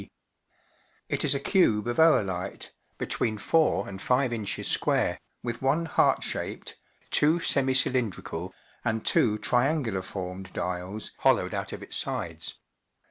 d,). It is a cube of oolite, between four and five inches square, with one heart shaped, two semi cylindrical, and two triangular formed dials holl0wed out of its sides.